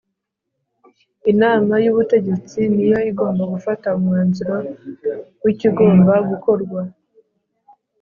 Inama y’ubutegetsi niyo igomba gufata umwanzuro w’ikigomba gukorwa